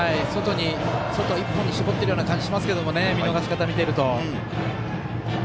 外、１本に絞っているような感じしますけれどもね見逃し方、見てると。